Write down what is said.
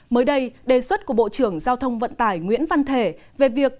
mới đây đề xuất của bộ trưởng giao thông vận tải nguyễn văn thể về việc